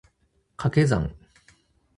掛け算